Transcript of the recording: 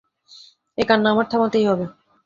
এ কান্না আমার থামাতেই হবে।